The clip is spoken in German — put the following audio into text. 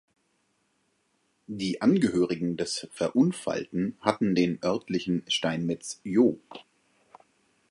Die Angehörigen des Verunfallten hatten den örtlichen Steinmetz Joh.